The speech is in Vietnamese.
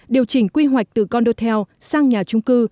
điều chỉnh quy hoạch từ condotel sang nhà chung cư